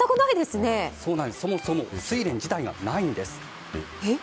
そもそもスイレン自体がないんです。